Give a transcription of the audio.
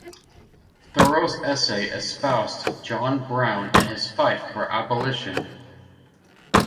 Thoreau's essay espoused John Brown and his fight for abolition.